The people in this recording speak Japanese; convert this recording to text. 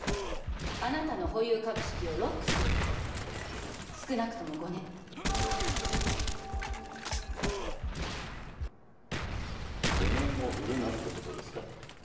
あなたの保有株式をロックすること少なくとも５年５年も売るなってことですか？